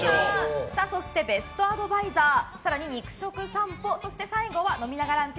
そして、ベストアドバイザー更に、肉食さんぽそして最後は飲みながランチ！